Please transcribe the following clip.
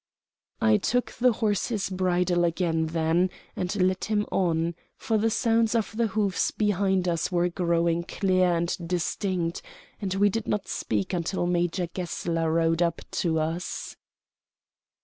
I took the horse's bridle again then, and led him on, for the sounds of the hoofs behind us were growing clear and distinct, and we did not speak until Major Gessler rode up to us.